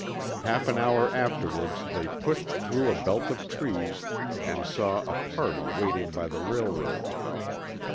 Half an hour afterwards they pushed through a belt of trees and saw a party waiting by the railroad.